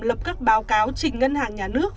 lập các báo cáo trình ngân hàng nhà nước